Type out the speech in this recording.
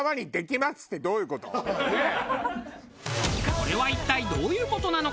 これは一体どういう事なのか？